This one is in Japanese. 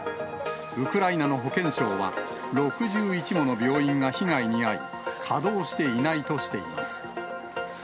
ウクライナの保健相は、６１もの病院が被害に遭い、稼働していないとしています。